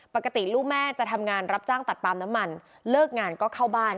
ปกติลูกแม่จะทำงานรับจ้างตัดปาล์มน้ำมันเลิกงานก็เข้าบ้าน